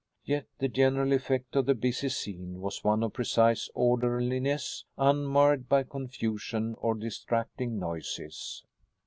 Yet the general effect of the busy scene was one of precise orderliness, unmarred by confusion or distracting noises.